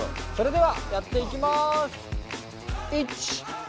それではやっていきます。